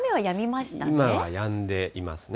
今はやんでいますね。